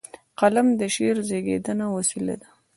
قلم د شعر زیږنده وسیله ده.